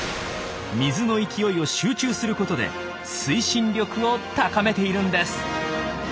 水の勢いを集中することで推進力を高めているんです。